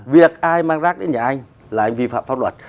việc ai mang rác đến nhà anh là anh vi phạm pháp luật